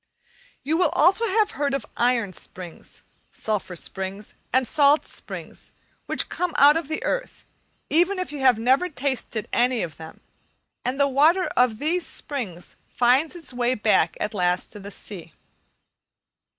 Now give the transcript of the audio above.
You will also have heard of iron springs, sulphur springs, and salt springs, which come out of the earth, even if you have never tasted any of them, and the water of all these springs finds its way back at last to the sea.